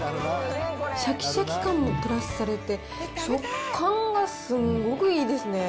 しゃきしゃき感がプラスされて、食感がすごくいいですね。